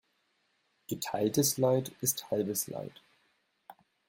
Geteiltes Leid ist halbes Leid.